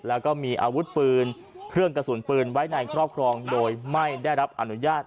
แล้วก็มีอาวุธปืนเครื่องกระสุนปืนไว้ในครอบครองโดยไม่ได้รับอนุญาต